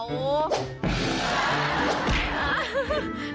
แฟนทัน